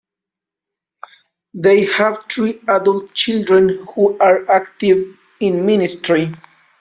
They have three adult children who are active in ministry.